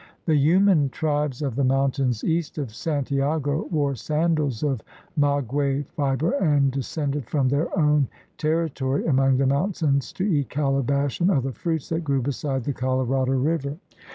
The Yuman tribes of the mountains east of Santiago wore sandals of maguey fiber and descended from their own terri tory among the mountains "to eat calabash and other fruits" that grew beside the Colorado River.